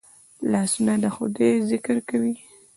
لاسونه د خدای ذکر کوي